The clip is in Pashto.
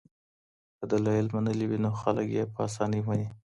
که دلایل منلي وي نو خلک یې په اسانۍ مني.